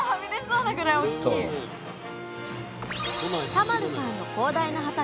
田丸さんの広大な畑。